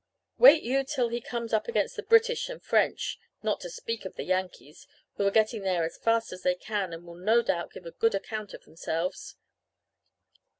'Wait you till he comes up against the British and French, not to speak of the Yankees, who are getting there as fast as they can and will no doubt give a good account of themselves.'